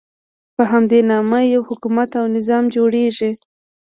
په همدې نامه یو حکومت او نظام جوړېږي.